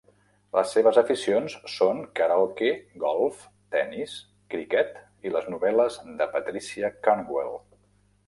Les seves aficions són: karaoke, golf, tennis, criquet i les novel·les de Patricia Cornwell.